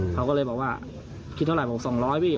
เขาก็เลยบอกคือเคะเท่าไรบอก๒๐๐ขึ้น